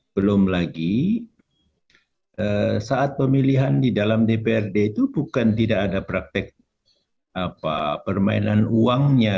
belum lagi saat pemilihan di dalam dprd itu bukan tidak ada praktek permainan uangnya